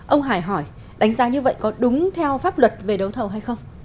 ông hải hỏi đánh giá như vậy có đúng theo pháp luật về đấu thầu hay không